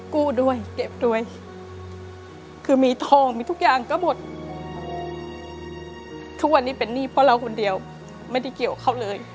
กู้ด้วยเก็บด้วยคือมีทองมีทุกอย่างก็หมดทุกวันนี้เป็นหนี้เพราะเราคนเดียวไม่ได้เกี่ยวเขาเลย